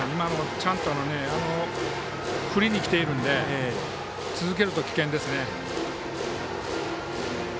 ちゃんと振りにきているので続けると危険ですね。